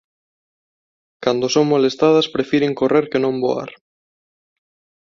Cando son molestadas prefiren correr que non voar.